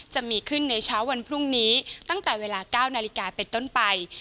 จะมีขึ้นในเช้าวันพรุ่งนี้ตั้งแต่เวลา๙นาฬิกาเป็นต้นไป